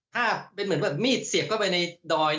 ถ้าเป็นเหมือนแบบมีดเสียบเข้าไปในดอย